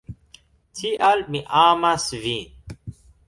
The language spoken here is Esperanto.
Tial mi amas vin